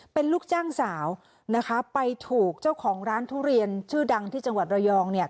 เป็นลูกจ้างสาวนะคะไปถูกเจ้าของร้านทุเรียนชื่อดังที่จังหวัดระยองเนี่ย